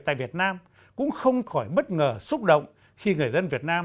tại việt nam cũng không khỏi bất ngờ xúc động khi người dân việt nam